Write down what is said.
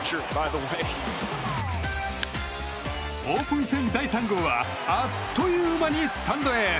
オープン戦第３号はあっという間にスタンドへ！